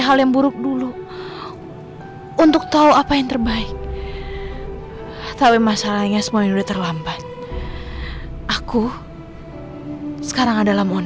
yang buruk dulu untuk tahu apa yang terbaik tapi masalahnya semuanya terlambat aku sekarang